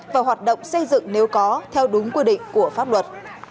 và hoạt động xây dựng nếu có theo đúng quy định của pháp luật